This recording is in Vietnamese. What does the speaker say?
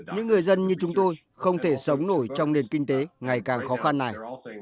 nhân như chúng tôi không thể sống nổi trong nền kinh tế ngày càng khó khăn này